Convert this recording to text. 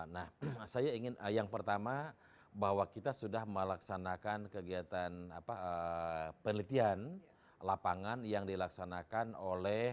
nah saya ingin yang pertama bahwa kita sudah melaksanakan kegiatan penelitian lapangan yang dilaksanakan oleh